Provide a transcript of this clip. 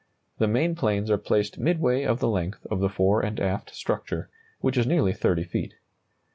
The main planes are placed midway of the length of the fore and aft structure, which is nearly 30 feet.